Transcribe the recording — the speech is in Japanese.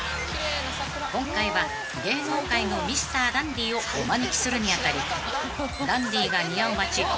［今回は芸能界のミスターダンディーをお招きするにあたりダンディーが似合う街